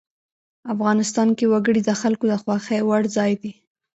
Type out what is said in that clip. افغانستان کې وګړي د خلکو د خوښې وړ ځای دی.